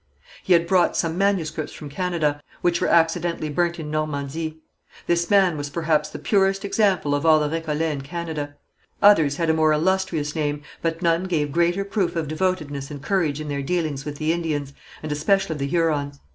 He had brought some manuscripts from Canada, which were accidently burnt in Normandy. This man was perhaps the purest example of all the Récollets in Canada. Others had a more illustrious name, but none gave greater proof of devotedness and courage in their dealings with the Indians, and especially the Hurons.